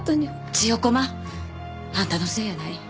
千代駒あんたのせいやない。